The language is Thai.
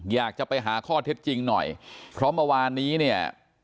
อยากจะไปหาข้อเท็จจริงหน่อยเพราะเมื่อวานนี้เนี่ย